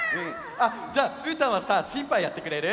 あじゃあうーたんはさしんぱんやってくれる？